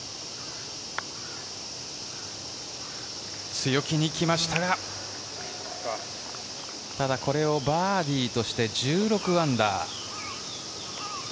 強気にきましたがただ、これをバーディーとして１６アンダー。